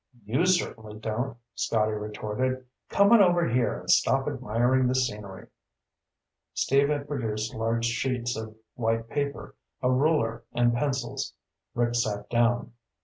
"You certainly don't," Scotty retorted. "Come on over here and stop admiring the scenery." Steve had produced large sheets of white paper, a ruler, and pencils. Rick sat down.